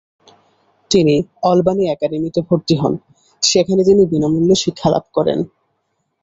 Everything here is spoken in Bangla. তিনি অলবানি একাডেমিতে ভর্তি হন, যেখানে তিনি বিনামূল্যে শিক্ষা লাভ করেন।